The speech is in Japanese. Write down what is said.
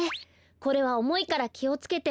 これはおもいからきをつけて。